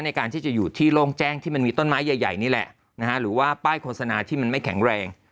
ในการที่จะอยู่ที่โล่งแจ้งที่มันมีต้นไม้ใหญ่นี่แหละหรือว่าป้ายโฆษณาที่มันไม่แข็งแรง